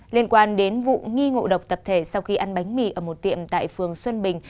liên quan đến vụ nghi ngộ độc tập thể sau khi ăn bánh mì ở một tiệm tại phường xuân bình